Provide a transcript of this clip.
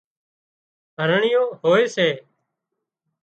هرڻيئيون هوئي سي